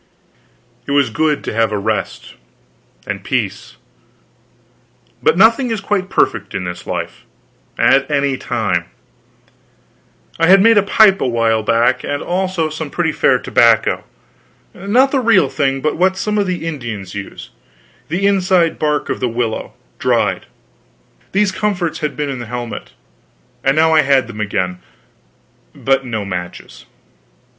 It was good to have a rest and peace. But nothing is quite perfect in this life, at any time. I had made a pipe a while back, and also some pretty fair tobacco; not the real thing, but what some of the Indians use: the inside bark of the willow, dried. These comforts had been in the helmet, and now I had them again, but no matches.